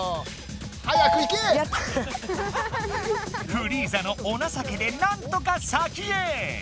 フリーザのおなさけでなんとか先へ！